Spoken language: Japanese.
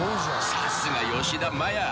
［さすが吉田麻也